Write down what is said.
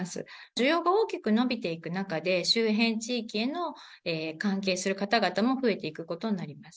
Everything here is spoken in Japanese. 需要が大きく伸びていく中で、周辺地域への関係する方々も増えていくことになります。